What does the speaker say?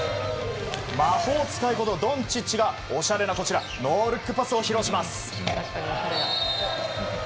魔法使いこと、ドンチッチがおしゃれなノールックパスを披露します。